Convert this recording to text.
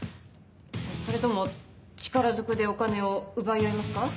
それとも力ずくでお金を奪い合いますか？